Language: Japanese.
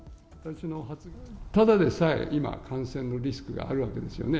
ただでさえ今、感染のリスクがあるわけですよね。